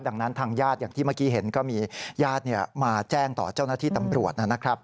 ดังนั้นทางญาติอย่างที่เมื่อกี้เห็นก็มีญาติมาแจ้งต่อเจ้าหน้าที่ตำรวจนะครับ